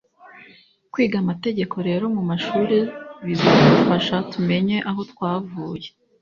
Kwiga amateka rero mu mashuri bizadufasha tumenye aho twavuye